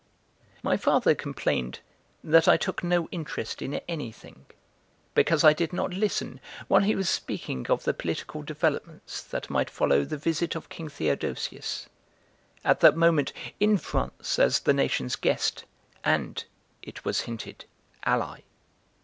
My father complained that I took no interest in anything, because I did not listen while he was speaking of the political developments that might follow the visit of King Theodosius, at that moment in France as the nation's guest and (it was hinted) ally.